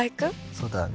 そうだね。